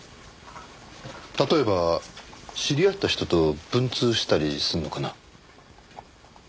例えば知り合った人と文通したりするのかな？